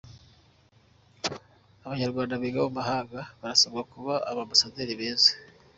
Abanyarwanda biga mu mahanga barasabwa kuba aba ambasaderi beza